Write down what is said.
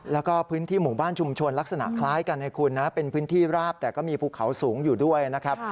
แล้วก็พื้นที่หมู่บ้านชุมชนลักษณะคล้ายกันให้คุณนะเป็นพื้นที่ราบแต่ก็มีภูเขาสูงอยู่ด้วยนะครับ